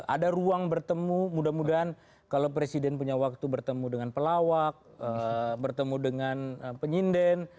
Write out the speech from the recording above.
ada ruang bertemu mudah mudahan kalau presiden punya waktu bertemu dengan pelawak bertemu dengan penyinden